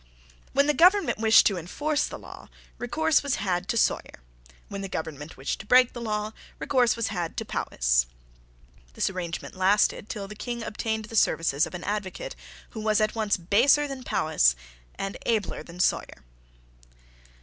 When the government wished to enforce the law, recourse was had to Sawyer. When the government wished to break the law, recourse was had to Powis. This arrangement lasted till the king obtained the services of an advocate who was at once baser than Powis and abler than Sawyer.